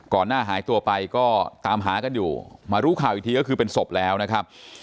หน้าหายตัวไปก็ตามหากันอยู่มารู้ข่าวอีกทีก็คือเป็นศพแล้วนะครับ